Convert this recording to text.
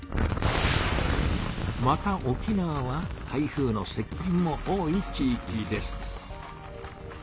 また沖縄は台風のせっ近も多い地いきです。